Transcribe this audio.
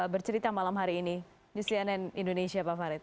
bercerita malam hari ini di cnn indonesia pak farid